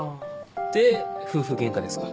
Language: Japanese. で夫婦ゲンカですか？